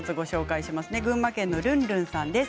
群馬県の方です。